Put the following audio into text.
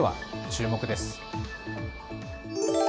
注目です。